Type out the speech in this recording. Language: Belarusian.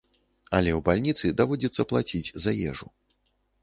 Але ў бальніцы даводзіцца плаціць за ежу.